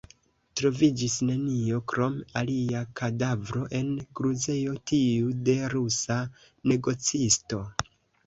Troviĝis nenio krom alia kadavro en gruzejo, tiu de rusa negocisto.